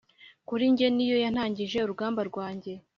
kuri njye, niyo yatangije urugamba rwanjye